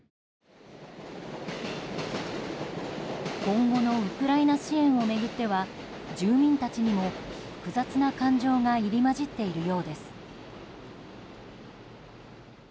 今後のウクライナ支援を巡っては住民たちにも、複雑な感情が入り混じっているようです。